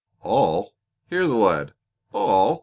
"All! Hear the lad! All!